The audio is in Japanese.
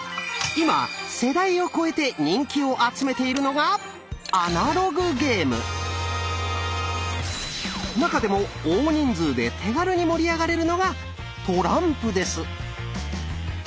今世代を超えて人気を集めているのが中でも大人数で手軽に盛り上がれるのがトランプです。